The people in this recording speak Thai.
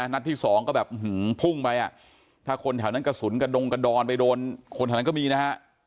นัดที่สองก็แบบพุ่งไปถ้าคนแถวนั้นกระสุนกระดงกระดอนไปโดนคนแถวนั้นก็มีนะฮะ